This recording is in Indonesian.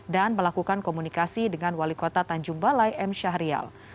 dan melakukan komunikasi dengan wali kota tanjung balai m syahrial